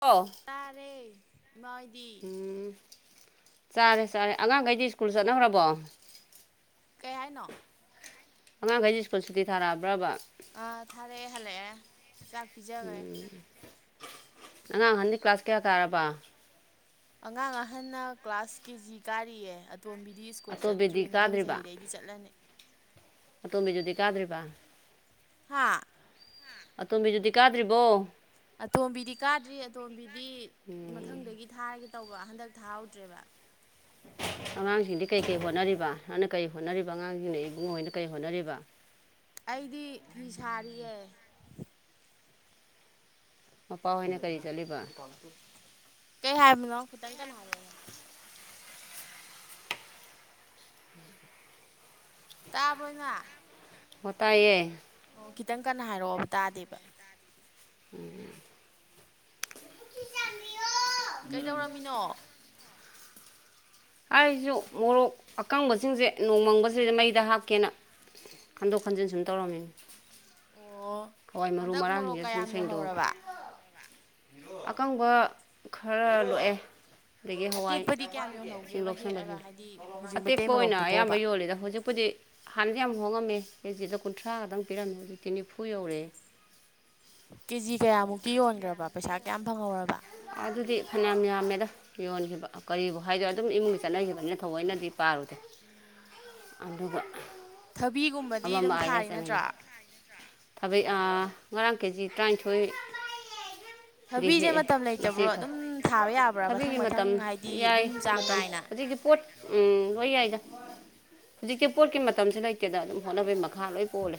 ꯑꯣ ꯇꯥꯔꯦ ꯏꯃꯥ ꯍꯣꯏꯗꯤ ꯎꯝ ꯆꯥꯔꯦ ꯆꯥꯔꯦ ꯑꯉꯥꯡꯈꯩꯗꯤ ꯁ꯭ꯀꯨꯜ ꯆꯠꯅꯈ꯭ꯔꯕꯣ ꯀꯩ ꯍꯥꯏꯅꯣ ꯑꯉꯥꯡ ꯈꯩꯗꯤ ꯁ꯭ꯀꯨꯜ ꯁꯨꯇꯤ ꯊꯥꯔꯛ ꯑꯕ꯭ꯔꯕ ꯑꯥ ꯊꯥꯔꯛꯑꯦ ꯍꯜꯂꯛꯑꯦ ꯆꯥꯛ ꯄꯤꯖꯒ꯭ꯔꯦ ꯑꯉꯥꯡ ꯑꯍꯟꯗꯤ ꯀ꯭ꯂꯥꯁ ꯀꯌꯥ ꯀꯥꯔꯕ ꯑꯉꯥꯡ ꯑꯍꯟꯅ ꯀ꯭ꯂꯥꯁ ꯀꯦ ꯖꯤ ꯀꯥꯔꯤꯌꯦ ꯑꯇꯣꯝꯕꯤꯗꯤ ꯁ꯭ꯀꯨꯜ ꯆꯠꯇ꯭ꯔꯤ ꯑꯇꯣꯝꯕꯤꯗꯤ ꯃꯊꯪ ꯀꯥꯗ꯭ꯔꯤꯕ ꯆꯍꯤꯗꯩ ꯒꯤ ꯆꯠꯂꯅꯤ ꯑꯇꯣꯝꯕꯤꯗꯨꯗꯤ ꯀꯥꯗ꯭ꯔꯤꯕ ꯍꯥꯥ ꯑꯇꯣꯝꯕꯤꯗꯨꯗꯤ ꯀꯥꯗ꯭ꯔꯤꯕꯣ ꯑꯇꯣꯝꯕꯤꯗꯤ ꯀꯥꯗ꯭ꯔꯤ ꯑꯇꯣꯝꯕꯤꯗꯤ ꯎꯝ ꯃꯊꯪꯗꯒꯤ ꯊꯥꯔꯒꯦ ꯇꯧꯕ ꯍꯟꯗꯛ ꯊꯥꯍꯧꯗ꯭ꯔꯦꯕ ꯑꯉꯥꯡꯁꯤꯡꯗꯤ ꯀꯩꯀꯩ ꯍꯣꯠꯅꯔꯤꯕ ꯅꯪꯅ ꯀꯩ ꯍꯣꯠꯅꯔꯤꯕ ꯑꯉꯥꯡꯁꯤꯡꯅ ꯏꯕꯨꯡꯉꯣ ꯍꯣꯏꯅ ꯀꯩ ꯍꯣꯠꯅꯔꯤꯕ ꯑꯩꯗꯤ ꯐꯤ ꯁꯥꯔꯤꯌꯦ ꯃꯄꯥ ꯍꯣꯏꯅ ꯀꯔꯤ ꯆꯠꯂꯤꯕ ꯀꯩ ꯍꯥꯏꯕꯅꯣ ꯈꯤꯇꯪ ꯀꯟꯅ ꯍꯥꯏꯔꯛꯑꯣ ꯏꯃꯥ ꯇꯥꯕ꯭ꯔꯣ ꯏꯃꯥ ꯍꯣ ꯇꯥꯏꯌꯦ ꯑꯣ ꯈꯤꯇꯪ ꯀꯟꯅ ꯍꯥꯏꯔꯛꯑꯣꯕ ꯇꯥꯗꯦꯕ ꯎꯝ ꯀꯩꯗꯧꯔꯝꯃꯤꯅꯣ ꯍꯥꯏꯔꯤꯁꯨ ꯃꯣꯔꯣꯛ ꯑꯀꯪꯕꯁꯤꯡꯁꯦ ꯅꯣꯡꯃꯪꯕꯁꯤꯗ ꯃꯩꯗ ꯍꯥꯞꯀꯦꯅ ꯈꯟꯗꯣꯛ ꯈꯟꯖꯤꯟ ꯁꯨꯝ ꯇꯧꯔꯝꯃꯤ ꯑꯣ ꯍꯟꯗꯛ ꯃꯣꯔꯣꯛ ꯃꯔꯥꯡꯁꯤꯡꯁꯦ ꯁꯨꯝ ꯀꯌꯥꯝ ꯁꯦꯡꯗꯣꯛ ꯌꯣꯜꯍꯧꯔꯕ ꯑꯀꯪꯕ ꯈꯔ ꯂꯣꯛꯑꯦ ꯑꯗꯒꯤ ꯍꯋꯥꯏ ꯑꯇꯦꯛꯄꯗꯤ ꯀꯌꯥꯝ ꯁꯤꯡ ꯌꯣꯜꯍꯧꯒꯦꯕ ꯍꯦꯛꯑꯒ ꯂꯧꯁꯟꯕꯁꯤꯡ ꯍꯥꯏꯗꯤ ꯍꯧꯖꯤꯛ ꯑꯇꯦꯛꯄ ꯃꯩꯇꯩ ꯑꯣꯏꯅ ꯑꯌꯥꯝꯕ ꯃꯔꯣꯛꯇꯨꯕꯣꯕ ꯌꯣꯜꯂꯤꯗ ꯍꯧꯖꯤꯛꯄꯨꯗꯤ ꯍꯥꯟꯅꯗꯤ ꯌꯥꯝ ꯍꯣꯡꯉꯝꯃꯦ ꯀꯦꯖꯤꯗ ꯀꯨꯟꯊ꯭ꯔꯥꯒꯗꯪ ꯄꯤꯔꯝꯃꯦ ꯍꯧꯖꯤꯛꯇꯤ ꯅꯤꯐꯨ ꯌꯧꯔꯦ ꯀꯦꯖꯤ ꯀꯌꯥꯃꯨꯛꯛꯇꯤ ꯌꯣꯟꯈ꯭ꯔꯕ ꯄꯩꯁꯥ ꯀꯌꯥꯝ ꯐꯪꯍꯧꯔꯕ ꯑꯗꯨꯗꯤ ꯐꯅꯌꯥꯝ ꯌꯥꯝꯃꯦꯗ ꯌꯣꯟꯈꯤꯕ ꯀꯔꯤꯕꯨ ꯍꯥꯏꯗꯣꯏ ꯑꯗꯨꯝ ꯏꯃꯨꯡꯒꯤ ꯆꯠꯅꯈꯤꯕꯅꯤꯅ ꯊꯑꯣꯏꯅꯗꯤ ꯄꯥꯔꯨꯗꯦ ꯑꯗꯨꯒ ꯊꯕꯤꯒꯨꯝꯕꯗꯤ ꯑꯃ ꯑꯗꯨꯝ ꯊꯥꯔꯤ ꯅꯠꯇ꯭ꯔꯥ ꯊꯥꯕꯩ ꯉꯔꯥꯡ ꯀꯦꯖꯤ ꯇꯔꯥꯅꯤꯊꯣꯏ ꯗꯤ ꯊꯕꯤꯁꯦ ꯍꯦꯛꯑꯦ ꯃꯇꯝ ꯃꯁꯤ ꯂꯩꯇꯕ꯭ꯔꯣ ꯐꯩ ꯑꯗꯨꯝ ꯊꯥꯕ ꯌꯥꯕ꯭ꯔꯥ ꯃꯊꯪ ꯊꯕꯤꯒꯤ ꯃꯇꯝ ꯃꯊꯪ ꯍꯥꯏꯗꯤ ꯌꯥꯏ ꯑꯗꯨꯝ ꯆꯥꯡ ꯃꯇꯝ ꯅꯥꯏꯅ ꯍꯧꯖꯤꯛꯇꯤ ꯄꯣꯠ ꯎꯝ ꯂꯣꯏ ꯌꯥꯏꯗ ꯍꯧꯖꯤꯛꯀꯤ ꯄꯣꯠꯀꯤ ꯃꯇꯝꯁ ꯂꯩꯇꯦ ꯀꯦꯗ ꯑꯗꯨꯝ ꯍꯣꯠꯅꯕꯩ ꯃꯈꯥ ꯂꯣꯏ ꯄꯣꯜꯂꯦ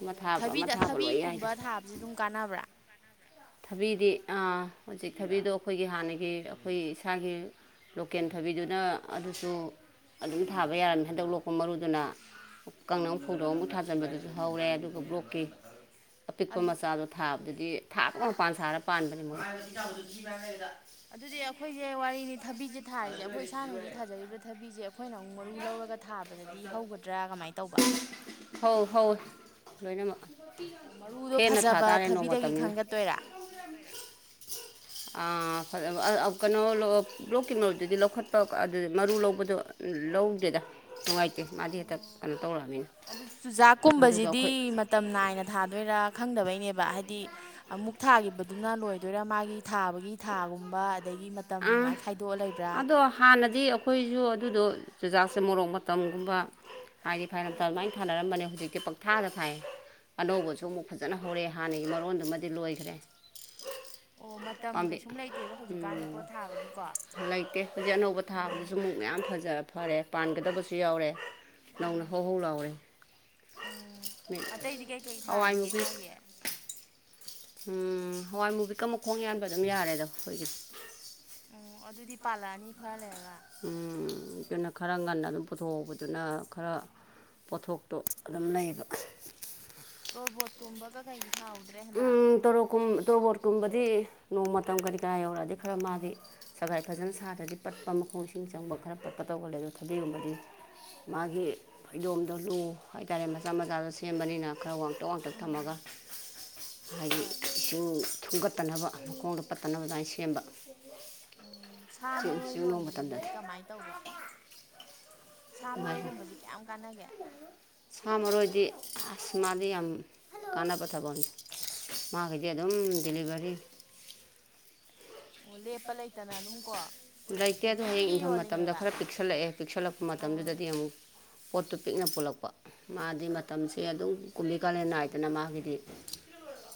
ꯑꯃ ꯊꯥꯕ ꯑꯃ ꯊꯥꯕ ꯂꯣꯏ ꯌꯥꯏꯗ ꯍꯧ ꯑꯗꯨꯝ ꯀꯥꯟꯅꯕ꯭ꯔꯥ ꯊꯕꯤꯗꯤ ꯍꯧꯖꯤꯛ ꯊꯕꯤꯗꯣ ꯑꯩꯈꯣꯏꯒꯤ ꯍꯥꯟꯅꯒꯤ ꯑꯩꯈꯣꯏ ꯏꯁꯥꯒꯤ ꯂꯣꯀꯦꯜ ꯊꯕꯤꯗꯨꯅ ꯑꯗꯨꯁꯨ ꯑꯗꯨꯝ ꯊꯥꯕ ꯌꯥꯔꯅꯤ ꯍꯟꯗꯛ ꯂꯣꯛꯄ ꯃꯔꯨꯗꯨꯅ ꯀꯥꯡ ꯐꯧꯗꯣꯛ ꯑꯃꯨꯛ ꯊꯥꯖꯤꯟꯕꯗꯨꯁꯨ ꯍꯧꯔꯦ ꯑꯗꯨꯒ ꯕ꯭ꯂꯣꯛꯀꯤ ꯑꯄꯤꯛꯄ ꯃꯆꯥꯗꯣ ꯊꯥꯕꯗꯨꯗꯤ ꯊꯥ ꯑꯃ ꯃꯄꯥꯟ ꯁꯥꯔ ꯄꯥꯟꯕꯅꯦ ꯃꯣꯏ ꯑꯗꯨꯗꯤ ꯑꯩꯈꯣꯏꯁꯦ ꯋꯥꯔꯤꯅꯤ ꯊꯕꯤꯁꯦ ꯊꯥꯔꯤꯁꯦ ꯑꯩꯈꯣꯏ ꯏꯁꯥꯅ ꯍꯧꯖꯤꯛ ꯊꯥꯖꯔꯤꯕ ꯊꯕꯤꯁꯦ ꯑꯩꯈꯣꯏꯅ ꯑꯃꯨꯛ ꯃꯔꯨ ꯂꯧꯔꯒ ꯊꯥꯕꯗꯗꯤ ꯍꯧꯒꯗ꯭ꯔꯥ ꯀꯃꯥꯏꯅ ꯇꯧꯕ ꯐꯧ ꯍꯧꯋꯦ ꯂꯣꯏꯅꯃꯛ ꯑꯣ ꯃꯔꯨꯗꯣ ꯐꯦꯟꯅ ꯊꯥ ꯐꯖꯕ ꯇꯥꯔꯦ ꯅꯣꯡ ꯊꯕꯤꯗꯒꯤ ꯃꯇꯝꯅꯤꯅ ꯈꯟꯒꯠꯇꯣꯏꯔꯥ ꯑꯥ ꯐ ꯀꯅꯣ ꯂ ꯕ꯭ꯂꯣꯛꯀꯤꯩꯅꯣꯗꯨꯗꯤ ꯂꯧꯈꯠꯄ ꯑꯗꯨꯗꯤ ꯃꯔꯨ ꯂꯧꯕꯗꯣ ꯂꯧꯗꯦꯗ ꯅꯨꯡꯉꯥꯏꯇꯦ ꯃꯥꯗꯤ ꯍꯦꯛꯇ ꯀꯩꯅꯣ ꯇꯧꯔꯛꯑꯅꯤꯅ ꯑꯗꯨꯒ ꯑꯩꯈꯣꯏ ꯇꯝ ꯅꯥꯏꯅ ꯊꯥꯗꯣꯏꯔꯥ ꯈꯪꯗꯕꯩꯅꯦꯕ ꯍꯥꯏꯗꯤ ꯑꯃꯨꯛ ꯊꯥꯒꯤꯈꯤꯕꯗꯨꯅ ꯂꯣꯏꯗꯣꯏꯔ ꯃꯥꯒꯤ ꯊꯥꯕꯒꯤ ꯊꯥꯒꯨꯝꯕ ꯑꯗꯒꯤ ꯃꯇꯝ ꯑ ꯑꯗꯨꯃꯥꯏꯅ ꯈꯥꯏꯗꯣꯛꯑ ꯂꯩꯕ꯭ꯔꯥ ꯑꯗꯣ ꯍꯥꯟꯅꯗꯤ ꯑꯩꯈꯣꯏꯁꯨ ꯑꯗꯨꯗꯣ ꯆꯨꯖꯥꯛꯁꯦ ꯃꯣꯔꯣꯛ ꯃꯇꯝꯒꯨꯝꯕ ꯍꯥꯏꯗꯤ ꯐꯔꯅ ꯑꯗꯨꯃꯥꯏꯅ ꯊꯥꯅꯔꯝꯕꯅꯦ ꯍꯧꯖꯤꯛꯀꯤ ꯄꯪꯊꯥꯗ ꯐꯥꯏ ꯑꯅꯧꯕꯁꯨ ꯑꯃꯨꯛ ꯐꯖꯅ ꯍꯧꯔꯛꯑꯦ ꯍꯥꯟꯅꯒꯤ ꯃꯔꯣꯟꯗꯨꯃꯗꯤ ꯂꯣꯏꯈ꯭ꯔꯦ ꯑꯣ ꯃ ꯄꯥꯝꯕꯤ ꯎꯝ ꯊꯥꯕꯒꯤꯀꯣ ꯂꯩꯇꯦ ꯍꯧꯖꯤꯛ ꯑꯅꯧꯕ ꯎꯝ ꯊꯥꯕꯗꯨꯁꯨ ꯑꯃꯨꯛ ꯃꯌꯥꯝ ꯐꯖ ꯐꯔꯦ ꯄꯥꯟꯒꯗꯕꯁꯨ ꯌꯥꯎꯔꯦ ꯅꯧꯅ ꯎꯝ ꯍꯧꯍꯧ ꯂꯥꯎꯔꯦ ꯎꯝ ꯃꯤ ꯑꯇꯩꯗꯤ ꯀꯩꯀꯩ ꯍꯋꯥꯏ ꯊꯥꯔꯤꯒꯦ ꯃꯨꯒꯁ ꯏꯃꯥꯒꯤ ꯎꯝ ꯍꯋꯥꯏ ꯃꯨꯕꯤꯛꯀ ꯃꯈꯣꯡ ꯌꯥꯟꯕ ꯑꯗꯨꯝ ꯌꯥꯔꯦꯗꯣ ꯑꯩꯈꯣꯏꯒꯤ ꯎꯝ ꯑꯗꯨꯗꯤ ꯄꯥꯜꯂꯛꯑꯅꯤ ꯈꯔ ꯂꯩꯔꯒ ꯎꯝ ꯑꯗꯨꯅ ꯈꯔ ꯉꯟꯅ ꯑꯗꯨꯝ ꯄꯨꯊꯣꯛꯧꯕꯗꯨꯅ ꯈꯔ ꯄꯣꯠꯊꯣꯛꯇꯣ ꯑꯗꯨꯝ ꯂꯩꯕ ꯇꯣꯔꯕꯣꯠꯀꯨꯝꯕꯒ ꯀꯩꯗꯤ ꯊꯥꯍꯧꯗ꯭ꯔꯦ ꯍꯟꯗꯛ ꯀ ꯇꯣꯔꯕꯣꯠ ꯀꯨꯝꯕꯗꯤ ꯅꯣꯡ ꯃꯇꯝ ꯀꯔꯤ ꯀꯔꯥ ꯌꯧꯔꯛꯑꯗꯤ ꯈꯔ ꯃꯥꯗꯤ ꯁꯒꯥꯏ ꯐꯖꯅ ꯁꯥꯗ꯭ꯔꯗꯤ ꯄꯠꯄ ꯃꯈꯣꯡ ꯏꯁꯤꯡ ꯆꯪꯕ ꯈꯔ ꯄꯠꯄ ꯇꯧꯒꯜꯂꯦ ꯑꯗꯣ ꯈꯗꯤꯒꯨꯝꯕꯗꯤ ꯃꯥꯒꯤ ꯐꯩꯗꯣꯝꯗꯣ ꯂꯨ ꯍꯥꯏꯇꯥꯔꯦ ꯃꯆꯥ ꯃꯆꯥꯗ ꯁꯦꯝꯕꯅꯤꯅ ꯈꯔ ꯋꯥꯡꯇꯛ ꯋꯥꯡꯇꯛ ꯎꯝ ꯊꯝꯃꯒ ꯍꯥꯏꯗꯤ ꯍꯣꯏ ꯏꯁꯤꯡ ꯊꯨꯡꯒꯠꯇꯅꯕ ꯃꯈꯣꯡꯗ ꯄꯠꯇꯅꯕ ꯑꯗꯨꯃꯥꯏꯅ ꯁꯦꯝꯕ ꯎꯝ ꯁꯥ ꯆꯤꯡ ꯃꯔꯣꯏ ꯆꯤꯡ ꯅꯣꯡ ꯌꯣꯟꯕꯁꯤꯗꯤ ꯃꯇꯝꯗꯗꯤ ꯀꯃꯥꯏꯅ ꯇꯧꯕ ꯁꯥ ꯑꯗꯨꯃꯥꯏꯅ ꯃꯔꯣꯏꯒꯨꯝꯕꯁꯤ ꯀꯌꯥꯝ ꯀꯥꯟꯅꯒꯦ ꯁꯥ ꯃꯔꯣꯏꯗꯤ ꯑꯁ ꯃꯥꯗꯤ ꯌꯥꯝ ꯀꯥꯟꯅꯕ ꯊꯕꯛꯅꯤ ꯃꯥꯒꯤꯗꯤ ꯑꯗꯨꯝ ꯗꯦꯂꯤꯚꯔꯤ ꯑꯣ ꯂꯦꯞꯄ ꯂꯩꯇꯅ ꯑꯗꯨꯝ ꯀꯣ ꯂꯩꯇꯦ ꯑꯗꯣ ꯍꯌꯦꯡ ꯅꯨꯡꯇꯤꯒꯤ ꯏꯪꯊꯝ ꯃꯇꯝꯗ ꯌꯣꯜꯂꯤꯅꯦꯕ ꯈꯔ ꯄꯤꯛꯁꯜꯂꯛꯑꯦ ꯄꯤꯛꯁꯜꯂꯛꯄ ꯑꯥ ꯃꯇꯝꯗꯨꯗꯗꯤ ꯑꯃꯨꯛ ꯄꯣꯠꯇꯨ ꯄꯤꯛꯅ ꯄꯨꯜꯂꯛꯄ ꯃꯥꯗꯤ ꯃꯇꯝꯁꯦ ꯑꯗꯨꯝ ꯀꯨꯝꯕꯤ ꯀꯥꯂꯦꯟꯅꯥꯏꯗꯅ ꯃꯥꯒꯤꯗꯤ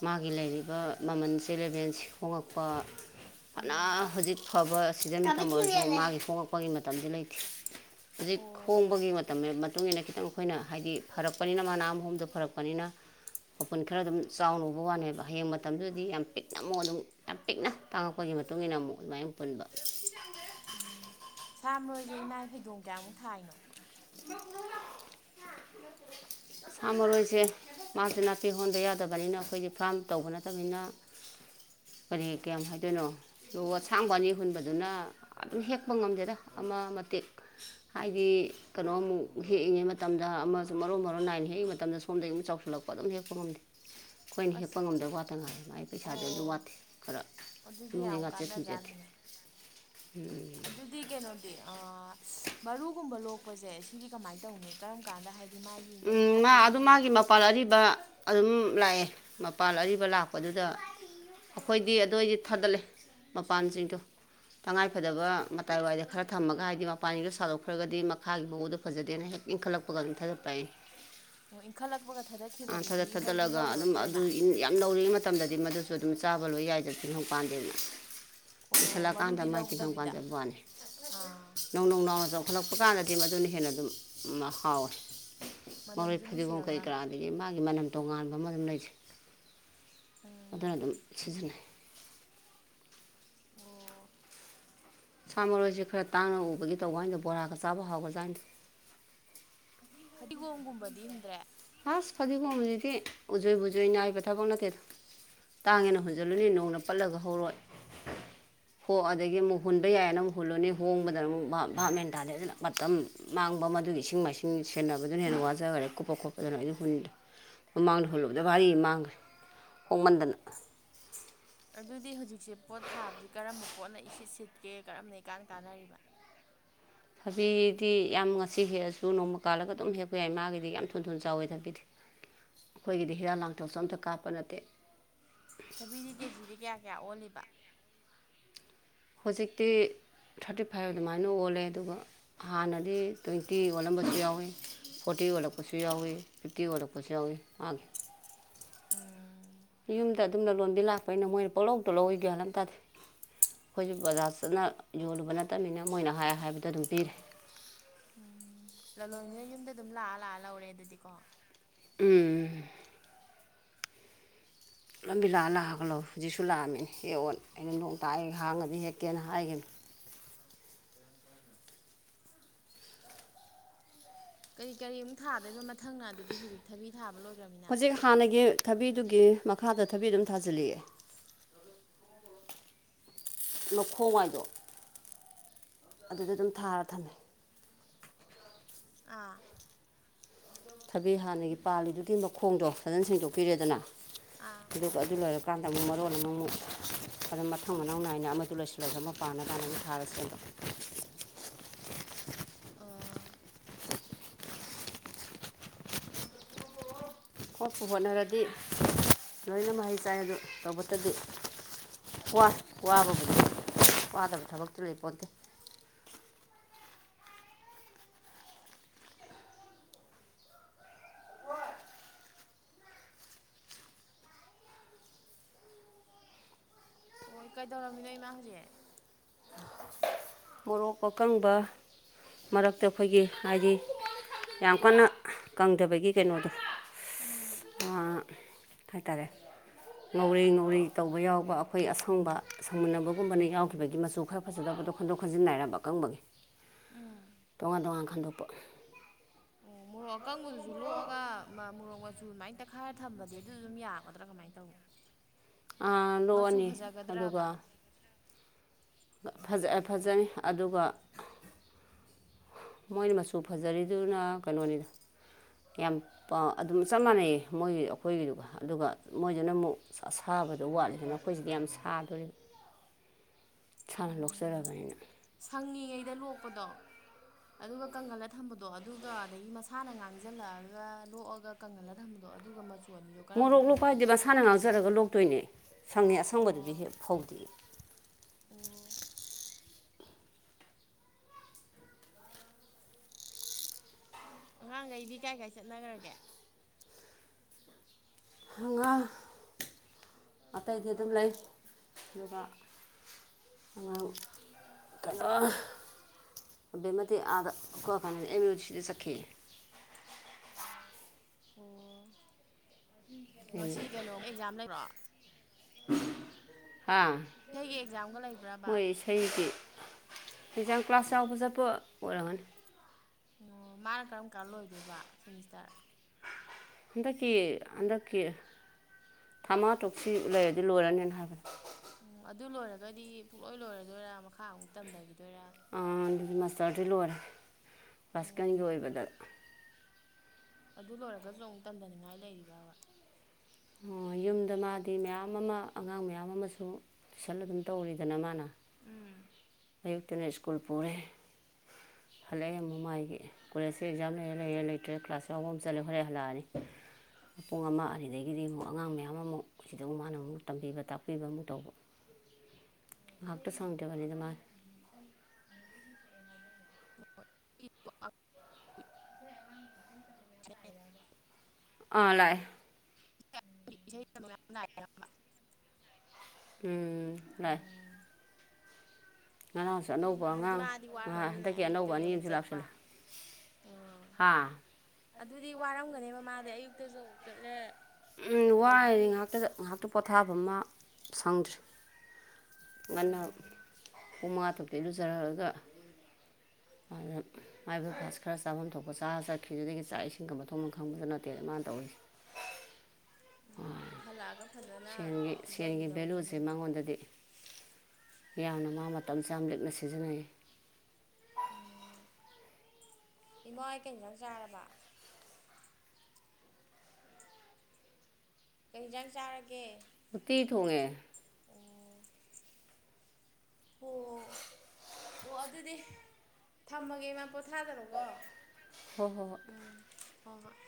ꯃꯥꯒꯤ ꯂꯩꯔꯤꯕ ꯃꯃꯜꯁꯦꯂꯦꯕꯦꯜꯁꯤ ꯍꯣꯉꯛꯄ ꯎꯝ ꯐꯅ ꯍꯧꯖꯤꯛ ꯑꯐꯕ ꯁꯤꯗꯟ ꯃꯇꯝ ꯑꯣꯏꯔꯁꯨ ꯃꯥꯒꯤ ꯍꯣꯡꯂꯛꯄꯒꯤ ꯃꯇꯝꯗꯤ ꯂꯩꯇꯦ ꯍꯧꯖꯤꯛ ꯑꯣ ꯈꯣꯡꯕꯒꯤ ꯃꯇꯝ ꯃꯇꯨꯡ ꯏ ꯃꯇꯨꯡꯏꯟꯅ ꯈꯤꯇꯪ ꯑꯩꯈꯣꯏꯅ ꯍꯥꯏꯗꯤ ꯐꯔꯛꯄꯅꯤꯅ ꯃꯅꯥ ꯑꯨꯝꯗ ꯐꯔꯛꯄꯅꯤꯅ ꯃꯄꯨꯟ ꯈꯔ ꯑꯗꯨꯝ ꯆꯥꯎꯅ ꯎꯕ ꯋꯥꯅꯦꯕ ꯍꯌꯦꯡ ꯃꯇꯝꯗꯨꯗꯗꯤ ꯌꯥꯝ ꯄꯤꯛꯅ ꯑꯃꯨꯛ ꯑꯗꯨꯝ ꯌꯥꯝ ꯄꯤꯛꯅ ꯇꯥꯡꯉꯛꯄ ꯑꯩꯈꯣꯏꯒꯤ ꯃꯇꯨꯡ ꯏꯟꯅ ꯑꯃꯨꯛ ꯑꯗꯨꯃꯥꯏꯅ ꯄꯨꯟꯕ ꯎꯝ ꯁꯥꯝꯔꯣꯏꯁꯦ ꯏꯃꯥ ꯐꯩꯗꯣꯡ ꯀꯌꯥꯃꯨꯛ ꯊꯥꯏꯅꯣ ꯁꯥ ꯃꯥꯔꯣꯏꯁꯦ ꯃꯥꯁ ꯅꯥꯄꯤ ꯍꯧꯍꯟꯕ ꯌꯥꯗꯕꯅꯤꯅ ꯑꯩꯈꯣꯏꯒꯤ ꯐꯥꯝ ꯇꯧꯕ ꯅꯠꯇꯕꯅꯤꯅ ꯀꯔꯤ ꯀꯌꯥꯝ ꯍꯥꯏꯗꯣꯏꯅꯣ ꯑꯗꯨꯒ ꯑꯁꯥꯡꯕ ꯑꯅꯤ ꯍꯨꯟꯕꯗꯨꯅ ꯑꯗꯨꯝ ꯍꯦꯛꯄ ꯉꯝꯗꯦꯗ ꯑꯃ ꯃꯇꯦꯛ ꯍꯥꯏꯗꯤ ꯀꯩꯅꯣ ꯑꯃꯨꯛ ꯍꯦꯛꯏꯉꯩ ꯃꯇꯝꯗ ꯑꯃꯁꯨ ꯃꯔꯨ ꯃꯔꯨ ꯅꯥꯏꯟ ꯍꯦꯛꯏꯤ ꯃꯇꯝꯗ ꯁꯣꯝꯗꯒꯤ ꯑꯃꯨꯛ ꯆꯥꯎꯁꯤꯜꯂꯛꯄ ꯑꯗꯨꯝ ꯍꯦꯛꯄ ꯉꯝꯗꯦ [inaudible] [unintelligible] ꯑꯩꯈꯣꯏꯅ ꯍꯦꯛꯄ ꯑꯁ ꯉꯝꯗꯕ ꯋꯥꯇ ꯉꯥꯏ ꯃꯥꯏꯗꯤ ꯄꯩꯁꯥꯗꯤ ꯑꯗꯨꯝ ꯑꯣ ꯋꯥꯠꯇꯦ ꯈꯔ ꯑꯗꯨꯗꯤ ꯏꯃꯨꯡꯒꯤ ꯌꯥꯝ ꯉꯥꯆꯦꯠ ꯊꯨꯝꯆꯦꯠꯇꯤ ꯀꯥꯟꯅꯖꯥꯠꯅꯤꯅꯦ ꯎꯝ ꯑꯗꯨꯗꯤ ꯀꯩꯅꯣꯗꯤ ꯑꯥ ꯃꯔꯨꯒꯨꯝꯕ ꯂꯣꯛꯄꯁꯦ ꯁꯤꯗꯤ ꯀꯃꯥꯏꯅ ꯇꯧꯅꯤ ꯀꯔꯝ ꯀꯥꯟꯗ ꯍꯥꯏꯗꯤ ꯃꯥꯒꯤ ꯃꯔꯨ ꯎꯝ ꯃꯥ ꯑꯗꯨ ꯂꯣꯛꯄꯁꯤꯁꯨ ꯃꯥꯒꯤ ꯃꯄꯥꯜ ꯑꯔꯤꯕ ꯑꯗꯨꯝ ꯂꯥꯛꯑꯦ ꯃꯄꯥꯥꯟ ꯑꯔꯤꯕ ꯂꯥꯛꯄꯗꯨꯗ ꯑꯩꯈꯣꯏꯗꯤ ꯑꯗꯨ ꯑꯩꯗꯤ ꯊꯥꯗꯠꯂꯦ ꯃꯄꯥꯟꯁꯤꯡꯗꯣ ꯇꯉꯥꯏꯐꯗꯕ ꯃꯇꯥꯏ ꯋꯥꯏꯗ ꯈꯔ ꯊꯝꯃꯒ ꯍꯥꯏꯗꯤ ꯃꯄꯥꯟꯗ ꯁꯥꯗꯣꯛꯈ꯭ꯔꯒꯗꯤ ꯃꯈꯥꯒꯤ ꯃꯎꯗꯣ ꯐꯖꯗꯦꯅ ꯍꯦꯛ ꯏꯟꯈꯠꯂꯛꯄꯒ ꯑꯗꯨꯝ ꯊꯥꯒꯠꯄꯥ ꯑꯩ ꯏꯟꯈꯠꯂꯛꯄꯒ ꯑꯥ ꯊꯥꯗꯠꯈꯤꯕꯗꯨꯗꯤ ꯊꯥꯗꯠ ꯍꯧꯗꯤ ꯊꯥꯗꯠꯂꯒ ꯑꯗꯨꯝ ꯑꯗꯨ ꯍꯧꯔꯔꯣꯏꯗ꯭ꯔꯣꯏꯃ ꯌꯥꯝ ꯅꯧꯔꯤꯉꯩ ꯃꯇꯝ ꯃꯇꯝꯗꯗꯤ ꯃꯗꯨꯁꯨ ꯑꯗꯨꯝ ꯆꯥꯕ ꯂꯣꯏ ꯌꯥꯏꯗꯅ ꯇꯤꯪꯈꯡ ꯄꯥꯟꯗꯦꯗꯅ ꯑꯣ ꯂꯤꯁꯜꯂꯛꯀꯥꯟꯗ ꯃꯔꯨꯗꯤ ꯃꯥꯏ ꯇꯤꯟꯈꯡ ꯂꯧꯗꯕꯤꯗ ꯄꯥꯟꯖꯕ ꯋꯥꯅꯤ ꯑꯥ ꯅꯧ ꯅꯧ ꯅꯧꯅ ꯆꯥꯎꯈꯠꯂꯛꯄ ꯀꯥꯟꯗꯗꯤ ꯃꯗꯨꯅ ꯍꯦꯟꯅ ꯑꯗꯨꯝ ꯍꯥꯎꯋꯦ ꯃꯔꯣꯏ ꯃꯅꯝꯁꯨ ꯐꯗꯤꯒꯣꯝ ꯀꯔꯤ ꯅꯨꯡꯁꯤꯔꯒ ꯀꯔꯥꯥ ꯑꯗꯒꯤ ꯃꯥꯒꯤ ꯃꯅꯝ ꯇꯣꯉꯥꯟꯕ ꯑꯃ ꯑꯗꯨꯝ ꯂꯩꯁꯦ ꯑꯗꯨꯅ ꯑꯗꯨꯝ ꯎꯝ ꯁꯤꯖꯤꯟꯅꯩ ꯑꯣ ꯁꯥ ꯃꯔꯣꯏꯁꯦ ꯈꯔ ꯇꯥꯡꯅ ꯎꯕꯒꯤ ꯇꯧꯕ ꯍꯥꯏꯅꯤꯗ ꯕꯣꯔꯥꯒ ꯆꯥꯕꯥ ꯍꯥꯥꯎꯒꯖꯥꯠꯅꯤꯗ ꯑꯁꯤ ꯐꯗꯤꯒꯣꯝꯒꯨꯝꯕꯗꯤ ꯍꯨꯟꯗ꯭ꯔꯦ ꯑꯁ ꯐꯗꯤꯒꯣꯝꯖꯤꯗꯤ ꯎꯖꯣꯏ ꯕꯨꯖꯣꯏ ꯅꯥꯏꯕꯥ ꯊꯕꯛ ꯅꯠꯇꯦꯗ ꯇꯥꯡꯉꯦꯅ ꯍꯨꯟꯖꯤꯜꯂꯨꯅꯦ ꯅꯣꯡꯅ ꯄꯠꯂꯒ ꯍꯧꯔꯣꯏ ꯍꯣ ꯑꯗꯒꯤ ꯑꯃꯨꯛ ꯍꯨꯟꯕ ꯌꯥꯏꯅ ꯑꯃꯨꯛ ꯍꯨꯜꯂꯨꯅꯤ ꯍꯣꯡꯕꯗꯅ ꯑꯃꯨꯛ ꯚꯥꯞꯃꯦꯟ ꯇꯥꯗꯦ ꯑꯗꯨꯅ ꯃꯇꯝ ꯃꯥꯡꯕ ꯃꯗꯨꯒꯤ ꯏꯁꯤꯡ ꯃꯥꯏꯁꯤꯡ ꯁꯦꯟꯅꯕꯗ ꯑꯗꯨꯅ ꯍꯦꯟꯅ ꯋꯥꯖꯈꯔꯦ ꯀꯨꯞꯄ ꯈꯣꯠꯄꯗꯨꯅ ꯑꯩꯩꯅ ꯍꯨꯟꯗꯦ ꯃꯃꯥꯡꯗ ꯍꯨꯜꯂꯨꯕꯗ ꯥꯚꯥꯔꯤꯃꯥ ꯃꯥꯡꯈ꯭ꯔꯦ ꯍꯣꯡꯃꯟꯗꯅ ꯑꯗꯨꯗꯤ ꯍꯧꯖꯤꯛꯁꯦ ꯄꯣꯠ ꯊꯥꯕꯁꯤ ꯀꯔꯝꯕ ꯄꯣꯠꯅ ꯏꯁꯤꯠ ꯁꯤꯠꯀꯦ ꯀꯔꯝꯕꯅ ꯢꯀꯥꯟ ꯀꯥꯟꯅꯔꯤꯕ ꯊꯕꯤꯗꯤ ꯌꯥꯝ ꯉꯁꯤ ꯍꯦꯛꯑꯁꯨ ꯅꯣꯡꯃ ꯀꯥꯜꯂꯒ ꯑꯗꯨꯝ ꯍꯦꯛꯄ ꯌꯥꯏ ꯃꯥꯒꯤꯗꯤ ꯌꯥꯝ ꯊꯨꯅ ꯊꯨꯅ ꯆꯥꯎꯋꯦ ꯊꯕꯤꯗꯤ ꯑꯈꯣꯏꯒꯤꯗꯤ ꯍꯤꯗꯥ ꯂꯥꯡꯊꯛꯁꯨ ꯑꯝꯇ ꯀꯥꯞꯄ ꯅꯠꯇꯦ ꯊꯕꯤꯗꯤ ꯀꯦꯖꯤꯗ ꯀꯌꯥ ꯀꯌꯥ ꯑꯣꯜꯂꯤꯕ ꯍꯧꯖꯤꯛꯇꯤ ꯊꯥꯔꯇꯤ ꯐꯥꯏꯚ ꯑꯗꯨꯃꯥꯏꯅ ꯑꯣꯜꯂꯦ ꯑꯗꯨꯒ ꯍꯥꯟꯅꯗꯤ ꯇ꯭ꯋꯦꯟꯇꯤ ꯑꯣꯜꯂꯝꯕꯁꯨ ꯌꯥꯎꯋꯤ ꯐꯣꯔꯇꯤ ꯑꯣꯜꯂꯛꯄꯁꯨ ꯌꯥꯎꯏꯤ ꯐꯤꯐꯇꯤ ꯑꯣꯜꯂꯛꯄꯁꯨ ꯌꯥꯎꯏ ꯃꯥꯦ ꯎꯝ ꯌꯨꯝꯗ ꯑꯗꯨꯝꯅ ꯂꯣꯟꯗꯤ ꯂꯥꯛꯄꯅꯤꯩꯅ ꯃꯣꯏꯅ ꯄꯣꯛꯂꯧꯗꯣ ꯂꯧꯏꯒꯦ ꯍꯜꯂꯝ ꯇꯥꯗꯗꯤ ꯑꯩꯈꯣꯏꯁꯨ ꯕꯖꯥꯔ ꯆꯠꯅ ꯌꯣꯜꯂꯨꯕ ꯅꯠꯇꯕꯅꯤꯅ ꯃꯣꯏꯅ ꯍꯥꯏ ꯍꯥꯏꯕꯗ ꯑꯗꯨꯝ ꯄꯤꯔꯦ ꯎꯝ ꯂꯂꯣꯟꯕꯅ ꯌꯨꯝꯗ ꯑꯗꯨꯝ ꯂꯥꯛꯑ ꯂꯥꯛꯑ ꯂꯧꯔꯦ ꯑꯗꯨꯗꯤ ꯀꯣ ꯎꯝ ꯎꯝ ꯂꯝꯕꯤ ꯂꯥꯛ ꯂꯥꯛꯑꯒ ꯂꯧ ꯍꯧꯖꯤꯛꯁꯨ ꯂꯥꯛꯑꯝꯃꯤꯅꯦ ꯍꯦꯛꯑꯣꯅ ꯑꯩꯅ ꯅꯣꯡ ꯇꯥꯏ ꯍꯥꯡꯉꯗꯤ ꯍꯦꯛꯀꯦꯅ ꯍꯥꯏꯒꯤꯝꯅꯦ ꯀꯔꯤ ꯀꯔꯤ ꯑꯃꯨꯛ ꯊꯥꯗꯣꯏꯕ ꯃꯊꯪꯅ ꯑꯗꯨꯗꯤ ꯍꯧꯖꯤꯛ ꯊꯕꯤ ꯊꯥꯕ ꯂꯣꯏꯒ꯭ꯔꯝꯅꯤꯅ ꯍꯧꯖꯤꯛ ꯍꯥꯟꯅꯒꯤ ꯊꯕꯤꯗꯨꯒꯤ ꯃꯈꯥꯗ ꯊꯕꯤ ꯑꯗꯨꯝ ꯊꯥꯖꯤꯜꯂꯤ ꯃꯈꯣꯡꯋꯥꯏꯗꯣ ꯑꯗꯨꯗ ꯑꯗꯨꯝ ꯊꯥꯔ ꯊꯝꯃꯦ ꯑꯥ ꯊꯕꯤ ꯍꯥꯟꯅꯒꯤ ꯄꯥꯜꯂꯤꯗꯨꯒꯤ ꯃꯈꯣꯡꯗꯣ ꯐꯖꯅ ꯁꯦꯡꯗꯣꯛꯄꯤꯔꯦꯗꯅ ꯑꯥ ꯑꯗꯨꯒ ꯑꯗꯨ ꯂꯣꯏꯔꯀꯥꯟꯗ ꯑꯃꯨꯛ ꯃꯔꯣꯟ ꯑꯃ ꯃꯨꯛ ꯑꯗꯨꯝ ꯃꯊꯪ ꯃꯅꯥꯎ ꯅꯥꯏꯅ ꯑꯃꯗꯨ ꯂꯣꯏꯁꯤꯜꯂꯁꯨ ꯑꯃ ꯄꯥꯟꯅꯕꯅ ꯑꯃꯨꯛ ꯊꯥꯔ ꯁꯦꯝꯕ ꯑꯥ.... ꯍꯣꯠꯄꯨ ꯍꯣꯠꯅꯔꯗꯤ ꯂꯣꯏꯅ ꯃꯍꯩ ꯆꯥꯏ ꯑꯗꯨ ꯇꯧꯕꯇꯗꯤ ꯋꯥꯢ ꯋꯥꯕꯕꯨꯗꯤ ꯋꯥꯗꯕ ꯊꯕꯛꯇꯤ ꯂꯩꯄꯣꯟꯇꯦ ꯍꯣꯢ ꯀꯩꯗꯧꯔꯝꯃꯤꯅꯣ ꯏꯃꯥ ꯍꯧꯖꯤꯛ ꯃꯣꯔꯣꯛ ꯑꯀꯪꯕ ꯃꯔꯛꯇ ꯑꯩꯈꯣꯏꯒꯤ ꯍꯥꯏꯗꯤ ꯌꯥꯝ ꯀꯟꯅ ꯀꯪꯗꯕꯒꯤ ꯀꯩꯅꯣꯗꯣ ꯎꯝ ꯑ ꯍꯥꯏꯇꯥꯔꯦ ꯉꯧꯔꯦ ꯉꯧꯔꯦ ꯇꯧꯕ ꯌꯥꯎꯕ ꯑ ꯑꯩꯈꯣꯏꯒꯤ ꯑꯁꯪꯕ ꯁꯪꯃꯨꯟꯅꯕꯒꯨꯝꯕꯅ ꯌꯥꯎꯈꯤꯕꯒꯤ ꯃꯆꯨ ꯈꯔ ꯐꯖꯗꯕꯗꯣ ꯈꯣꯟꯗꯣꯛ ꯈꯣꯟꯟꯖꯤꯟ ꯅꯥꯢꯔꯝꯕ ꯑꯀꯪꯕꯒꯤ ꯎꯝ ꯇꯣꯉꯥꯟ ꯇꯣꯉꯥꯟ ꯈꯟꯗꯣꯛꯄ ꯑꯣ [inaudible] ꯃꯣꯔꯣꯛ ꯀꯪꯕꯗꯨꯖꯨ ꯂꯣꯛꯑꯒ ꯃꯣꯔꯣꯛ ꯃꯆꯨ ꯑꯗꯨꯃꯥꯏ ꯇꯛꯈꯥꯏꯔ ꯊꯝꯕꯗꯤ ꯑꯗꯨꯁꯨ ꯑꯗꯨꯝ ꯌꯥꯒꯗ꯭ꯔꯥ ꯀꯃꯥꯏ ꯇꯧꯅꯤ ꯑꯥ ꯃꯆꯨ ꯂꯣꯛꯑꯅꯤ ꯑꯗꯨꯒ ꯐꯖꯒꯗ꯭ꯔꯕ ꯐꯖ ꯐꯖꯅꯤ ꯑꯗꯨꯒ ꯃꯣꯏꯅ ꯃꯆꯨ ꯐꯖꯔꯤꯗꯨꯅ ꯀꯩꯅꯣꯅꯤꯗ ꯌꯥꯝ ꯥꯄ ꯑꯗꯨꯝ ꯆꯞ ꯃꯥꯟꯅꯩꯌꯦ ꯃꯣꯏꯒꯤ ꯑꯩꯈꯣꯏꯒꯤꯗꯨꯒ ꯑꯗꯨꯒ ꯃꯣꯏꯗꯨꯅ ꯑꯃꯨꯛ ꯑꯁꯥꯕꯗꯣ ꯋꯥꯠꯂꯤꯗꯅ ꯑꯩꯈꯣꯏꯁꯤꯗꯤ ꯌꯥꯝ ꯁꯥꯗꯣꯔꯤꯕ ꯢꯁꯥꯅ ꯎꯝ ꯂꯧꯆꯔꯕꯅꯤꯅ ꯁꯪꯉꯤꯉꯩꯗ ꯂꯣꯛꯄꯗꯣ ꯑꯗꯨꯒ ꯀꯪꯒꯜꯂ ꯊꯝꯕꯗꯣ ꯑꯗꯨꯒ ꯑꯗꯒꯤ ꯃꯁꯥꯅ ꯉꯥꯡꯖꯜꯂꯛꯑꯒ ꯂꯣꯛꯑꯒ ꯀꯪꯍꯜꯂꯒ ꯊꯝꯕꯗꯣ ꯑꯗꯨꯒ ꯃꯆꯨ ꯑꯅꯤꯗꯣ ꯀꯔꯝꯕꯅ ꯃꯣꯔꯣꯛ ꯂꯣꯛꯄ ꯍꯥꯏꯗꯤ ꯐꯖꯗꯣꯏꯕ ꯃꯁꯥꯅ ꯉꯥꯡꯖꯔꯒ ꯂꯣꯛꯇꯣꯏꯅꯦ ꯁꯪꯉꯦ ꯑꯁꯪꯕꯗꯨꯗꯤ ꯑꯣ ꯐꯧꯗꯦꯌꯦ ꯑꯣ.. ꯑꯉꯥꯡꯒꯩꯗꯤ ꯀꯥꯏ ꯀꯥꯏ ꯆꯠꯅꯒ꯭ꯔꯒꯦ ꯑꯉꯥꯡ ꯑꯇꯩꯗꯤ ꯑꯗꯨꯝ ꯂꯩ ꯑꯗꯨꯒ ꯑꯉꯥꯡ ꯀꯩꯅꯣ [unintelligible] ꯑꯥꯗ ꯑꯦꯝ ꯌꯨ ꯁꯤꯗ ꯆꯠꯈꯤ ꯑꯣ ꯉꯁꯤ ꯀꯩꯅꯣꯝ ꯑꯦꯛꯖꯥꯝ ꯂꯩꯕ꯭ꯔꯣ ꯍꯥ ꯁꯩꯒꯤ ꯑꯦꯛꯖꯥꯝꯒ ꯂꯩꯕ꯭ꯔꯥꯕ ꯑꯩꯗꯤ ꯑꯦꯛꯖꯥꯝ ꯀ꯭ꯂꯥꯁ ꯌꯥꯕ ꯆꯠꯄ ꯑꯣꯏꯔꯝꯒꯅꯤ ꯑꯣ ꯃꯥꯅ ꯀꯔꯝ ꯀꯥꯟ ꯂꯣꯏꯗꯣꯏꯕ ꯁꯦꯃꯤꯁꯇꯔ ꯍꯟꯗꯛꯀꯤ ꯍꯟꯗꯛꯀꯤ ꯊꯥ ꯃꯉꯥ ꯇꯔꯨꯛꯁꯤ ꯂꯩꯔꯗꯤ ꯂꯣꯏꯔꯅꯤꯅ ꯍꯥꯏꯕꯅꯤ ꯎꯝ ꯑꯗꯨ ꯂꯣꯏꯔꯒꯗꯤ ꯄꯨꯨꯡꯂꯣꯏ ꯂꯣꯏꯔꯗꯣꯏꯔꯥ ꯃꯈꯥ ꯑꯃꯨꯛ ꯇꯝꯗꯒꯤꯗꯣꯏꯔꯥ ꯑꯥ ꯃꯥꯁꯇꯔꯗꯤ ꯂꯣꯏꯔꯦ ꯎꯝ ꯀ꯭ꯂꯥꯁꯤꯀꯦꯟꯒꯤ ꯑꯣꯏꯕꯗ ꯑꯗꯨ ꯂꯣꯏꯔꯒꯖꯨ ꯑꯃꯨꯛ ꯇꯝꯗꯅꯤꯡꯉꯥꯏ ꯂꯩꯔꯤꯕꯥꯕ ꯑꯣ ꯌꯨꯝꯗ ꯃꯥꯗꯤ ꯃꯌꯥꯝ ꯑꯃ ꯑꯉꯥꯡ ꯃꯌꯥꯝ ꯑꯃꯁꯨ ꯇꯨꯏꯁꯟ ꯑꯗꯨꯝ ꯇꯧꯔꯤꯗꯅ ꯃꯥꯅ ꯎꯝ ꯑꯌꯨꯛꯇꯨꯅ ꯁ꯭ꯀꯨꯜ ꯄꯨꯔꯦ ꯍꯜꯂꯛꯑꯦ ꯑꯃꯨꯛ ꯃꯥꯒꯤ ꯀꯣꯂꯦꯖꯁꯨ ꯑꯦꯛꯖꯥꯝ ꯂꯩꯔꯦ ꯂꯩꯔꯦ ꯂꯩꯇ꯭ꯔꯦ ꯀ꯭ꯂꯥꯁ ꯌꯥꯎꯕ ꯑꯃ ꯆꯠꯂꯦ ꯍꯣꯔꯦꯟ ꯍꯜꯂꯛꯑꯅꯤ ꯄꯨꯡ ꯑꯃ ꯑꯅꯤꯗꯒꯤ ꯒꯤꯗꯤ ꯑꯃꯨꯛ ꯑꯉꯥꯡ ꯃꯌꯥꯝ ꯑꯃꯨꯛ ꯁꯤꯗ ꯃꯥꯅ ꯑꯃꯨꯛ ꯇꯝꯕꯤꯕ ꯇꯥꯛꯄꯤꯕ ꯑꯃꯨꯛ ꯇꯧꯕ ꯉꯥꯏꯍꯥꯛꯇ ꯁꯪꯗꯕꯅꯤꯗ ꯃꯥꯁꯦ [unintelligible] [inaudible] ꯑꯥ ꯂꯛꯑꯦ [unintelligible] ꯎꯝ ꯂꯩ ꯎꯝ ꯉꯔꯥꯡꯁꯨ ꯑꯅꯧꯕ ꯑꯗꯨꯗꯤ ꯑꯉꯥꯡ ꯃꯥꯗꯤ ꯉꯍ ꯋꯥꯔꯝꯃꯅꯤꯅꯦ ꯍꯟꯗꯛꯀꯤ ꯑꯅꯧꯕ ꯑꯌꯨꯛꯇꯒꯤ ꯑꯅꯤ ꯑꯃꯨꯛ ꯑꯨ ꯆꯠꯄ ꯂꯥꯞꯁꯤꯜꯂꯦ ꯑꯥ ꯍꯥꯥ ꯑꯗꯨꯗꯤ ꯋꯥꯔꯝꯒꯅꯤꯕ ꯃꯥꯗꯤ ꯑꯌꯨꯛꯇꯁꯨ ꯑꯃꯨꯛ ꯆꯠꯂꯦ ꯎꯝ ꯋꯥꯏꯅꯤ ꯑꯗꯒꯤ ꯉꯥꯏꯍꯥꯛꯇ ꯉꯥꯏꯍꯥꯛꯇ ꯄꯣꯊꯥꯕ ꯃꯥ ꯁꯪꯗ꯭ꯔꯤ ꯉꯟꯅ ꯎꯝ ꯄꯨꯡ ꯃꯉꯥ ꯇꯔꯨꯛꯇ ꯏꯔꯨꯖꯔꯒ [unintelligible] ꯃꯥꯏꯕꯨ ꯕꯦꯛꯐꯥꯁ ꯈꯔ ꯆꯥꯐꯝ ꯊꯣꯛꯄ ꯆꯥꯔ ꯆꯠꯈꯤꯗꯨꯗꯒꯤ ꯆꯥꯛ ꯏꯁꯤꯡꯒꯕ ꯃꯊꯣꯡ ꯃꯔꯝꯒ ꯈꯪꯕꯁꯨ ꯅꯠꯇꯦ ꯃꯅꯥ ꯇꯧꯔꯤꯁꯦ ꯎꯝ ꯑꯥ ꯍꯜꯂꯛꯑꯒ ꯐꯖꯅ ꯁꯦꯟꯒꯤ ꯁꯦꯟꯒꯤ ꯄꯤꯖꯕꯤꯗꯧꯅꯤꯅꯦ ꯚꯦꯂꯨꯁꯦ ꯑꯗꯨꯗꯤ ꯃꯉꯣꯟꯗꯗꯤ ꯌꯥꯝꯅ ꯃꯥ ꯃꯇꯝ ꯆꯥꯅ ꯂꯤꯛꯅ ꯁꯤꯖꯤꯟꯅꯩ ꯎꯝ ꯏꯃꯥꯍ‌ꫭꯏ ꯀꯩ ꯏꯪꯖꯥꯡ ꯆꯥꯔꯕ ꯀꯩ ꯍꯤꯡꯖꯥꯡ ꯆꯥꯔꯒꯦ ꯎꯠꯇꯤ ꯊꫭꯡꯉꯦ ꯑꯣ ꯍꯣ ꯑꯣ ꯑꯗꯨꯗꯤ ꯊꯝꯃꯒꯦ ꯏꯃꯥ ꯄꯣꯊꯥꯗꯔꯣꯀꯣ ꯎꯝ ꯍꫭ‌ꯏ ꯍꫭꯏ